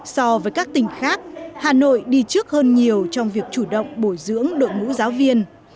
so với các tỉnh khác hà nội đi trước hơn nhiều trong việc chủ động bồi dưỡng đội ngũ giáo viên